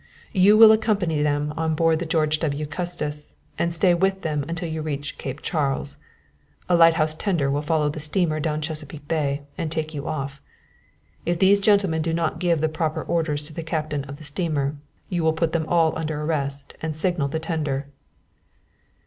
You will accompany them on board the George W. Custis, and stay with them until you reach Cape Charles. A lighthouse tender will follow the steamer down Chesapeake Bay and take you off. If these gentlemen do not give the proper orders to the captain of the steamer, you will put them all under arrest and signal the tender."